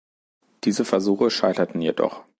Diese Versuche scheiterten jedoch.